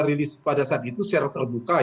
rilis pada saat itu secara terbuka